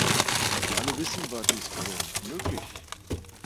Wie alle wissen, war dies vorher nicht möglich.